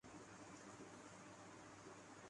یہ ضروری معلوم ہوتا ہے کہ مختصر طور پر